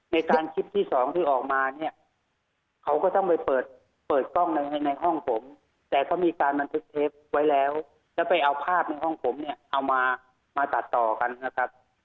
ในการคลิปที่สองที่ออกมาเนี่ยเขาก็ต้องไปเปิดเปิดกล้องในในห้องผมแต่เขามีการบันทึกเทปไว้แล้วแล้วไปเอาภาพในห้องผมเนี่ยเอามามาตัดต่อกันนะครับ